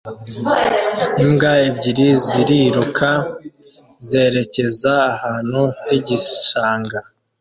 Imbwa ebyiri ziriruka zerekeza ahantu h'igishanga